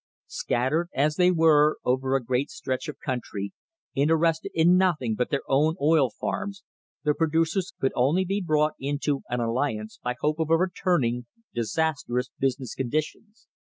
Scattered as they were over a great stretch of country, interested in nothing but their own oil farms, the producers could only be brought into an alliance by hope of overturning disastrous business conditions.